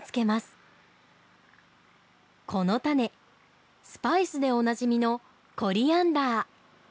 この種スパイスでおなじみのコリアンダー。